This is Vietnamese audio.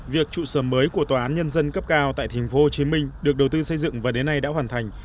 việc trụ sở mới của tòa án nhân dân cấp cao tại tp hcm được đầu tư xây dựng và đến nay đã hoàn thành